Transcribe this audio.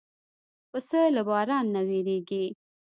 پسه له باران نه وېرېږي.